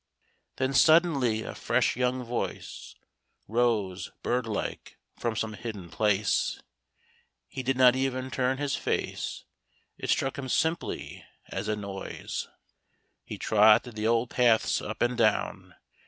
Then suddenly a fresh young voice Rose, bird like, from some hidden place, He did not even turn his face; It struck him simply as a noise. He trod the old paths up and down.